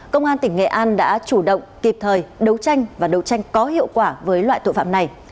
công an tỉnh nghệ an đã chủ động kịp thời đấu tranh và đấu tranh có hiệu quả với loại tội phạm này